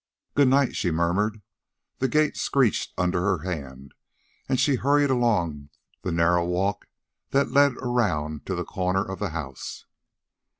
"Good night," she murmured; the gate screeched under her hand; and she hurried along the narrow walk that led around to the corner of the house.